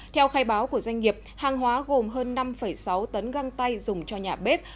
theo khai báo của doanh nghiệp hàng hóa gồm hơn năm sáu tấn găng tay dùng cho nhà bếp